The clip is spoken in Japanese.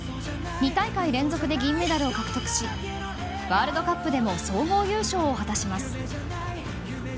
２大会連続で銀メダルを獲得しワールドカップでも総合優勝を果たします。